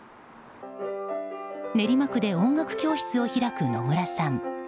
練馬区で音楽教室を開く野村さん。